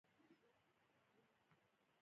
پامیر د افغانستان د ملي هویت نښه ده.